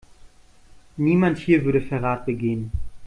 Niemand hier würde Verrat begehen.